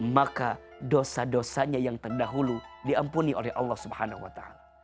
maka dosa dosanya yang terdahulu diampuni oleh allah swt